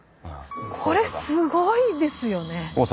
これすごいですよね。